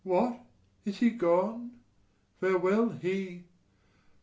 What, is he gone? farewell he!